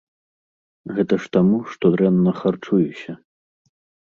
Гэта ж таму, што дрэнна харчуюся.